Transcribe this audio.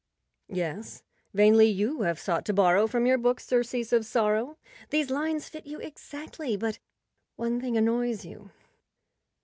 Yes, "vainly you have sought to borrow from your books surcease of sorrow." These lines fit you ex¬ actly, but one thing annoys you.